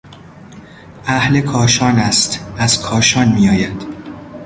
اهل کاشان است، از کاشان میآید.